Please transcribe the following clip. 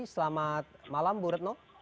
selamat malam ibu retno